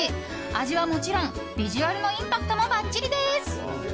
味はもちろん、ビジュアルのインパクトもばっちりです。